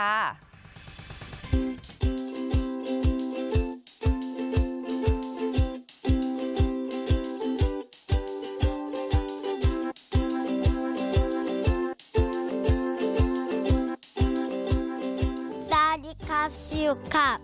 สวัสดีครับซิวครับ